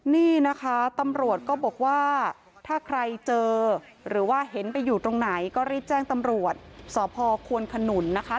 นี่นะคะตำรวจก็บอกว่าถ้าใครเจอหรือว่าเห็นไปอยู่ตรงไหนก็รีบแจ้งตำรวจสพควนขนุนนะคะ